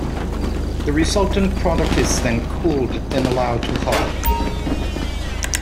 The resultant product is then cooled and allowed to harden.